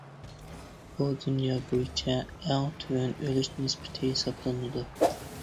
بۇ، دۇنيا بويىچە ئەڭ تۆۋەن ئۆلۈش نىسبىتى ھېسابلىنىدۇ.